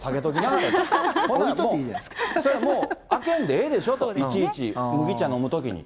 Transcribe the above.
ほんならもう、開けんでええでしょと、いちいち麦茶飲むときに。